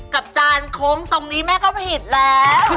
กับจานเค้าใส่อีกนี่ก็ผิดแล้ว